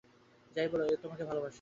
যাই বল, ও তোমাকে ভালোবাসে।